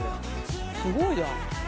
すごいじゃん。